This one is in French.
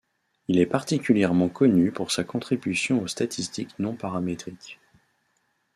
Il est particulièrement connu pour sa contribution aux statistiques non paramétriques.